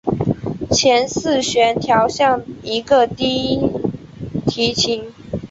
前四弦调像一个低提琴。